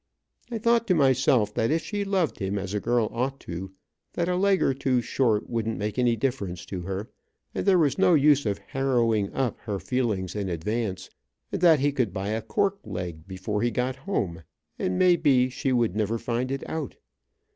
I thought to myself that if she loved him as a girl ought to, that a leg or two short wouldn't make any difference to her, and there was no use of harrowing up her feelings in advance, and that he could buy a cork leg before he got home, and may be she would never find it out.